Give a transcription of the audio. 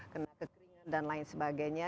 kena kekeringan dan lain sebagainya